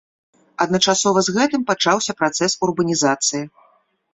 Адначасова з гэтым пачаўся працэс урбанізацыі.